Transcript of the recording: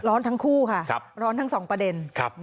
ร้อนทั้งคู่ค่ะร้อนทั้ง๒ประเด็น